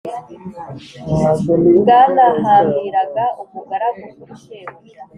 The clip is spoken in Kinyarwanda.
bwanahambiraga umugaragu kuri shebuja